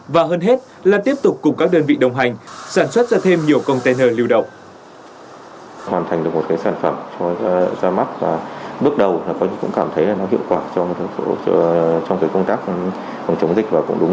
và hơn hết là tiếp tục cùng các đơn vị đồng hành sản xuất ra thêm nhiều container lưu động